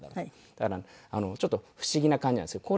だからちょっと不思議な感じなんですけど。